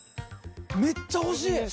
めっちゃ欲しい！